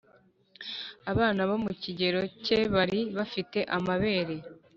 abana bo mu kigero ke bari bafite amabere,